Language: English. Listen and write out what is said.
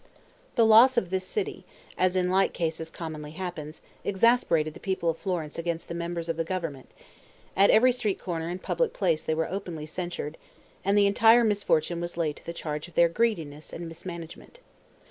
The loss of this city, as in like cases commonly happens, exasperated the people of Florence against the members of the government; at every street corner and public place they were openly censured, and the entire misfortune was laid to the charge of their greediness and mismanagement.